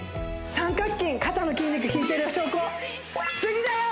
三角筋肩の筋肉効いてる証拠次だよ！